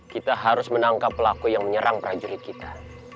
kita harus menangkap pelaku yang menyerang prajurit kita